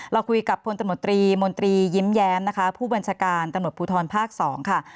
เราคุยกับผู้บัญชการตำรวจภูทรภาค๒นะคะ